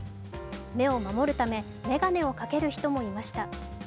目を守るため、眼鏡をかける人もいました。